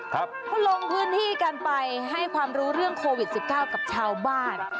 เขาลงพื้นที่กันไปให้ความรู้เรื่องโควิด๑๙กับชาวบ้าน